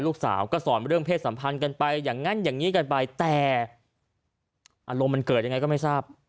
ลูกสาวก็สอนเรื่องเพศสัมพันธ์กันไปอย่างนั้นอย่างนี้กันไปแต่อารมณ์มันเกิดยังไงก็ไม่ทราบ